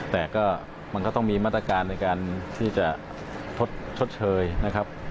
แต่ก็มันก็ต้องมีมาตรการในการที่จะชดเชยนะครับ